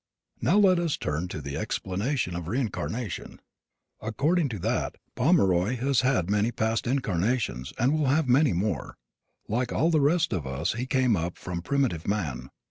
Now let us turn to the explanation of reincarnation. According to that, Pomeroy has had many past incarnations and will have many more. Like all the rest of us he came up from primitive man.